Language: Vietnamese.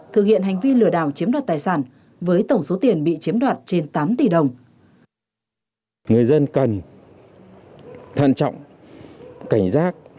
thực hiện hành vi lừa đảo chiếm đoạt tài sản với tổng số tiền bị chiếm đoạt trên tám tỷ đồng